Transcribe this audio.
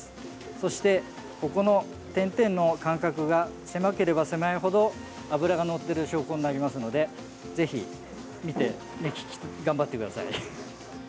そして、ここの点々の間隔が狭ければ狭いほど脂がのっている証拠になりますのでぜひ、見て目利き頑張ってください。